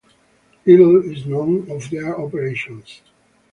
Little is known of their operations.